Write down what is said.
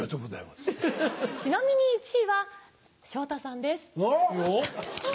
ちなみに１位は昇太さんです。